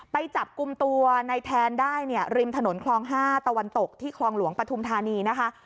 ไปจับกลุ่มตัวในแทนได้เนี่ยริมถนนคลอง๕ตะวันตกที่คลองหลวงปฐุมธานีนะคะ